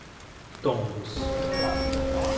Tombos